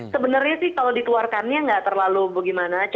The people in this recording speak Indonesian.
sebenarnya sih kalau dikeluarkannya nggak terlalu bagaimana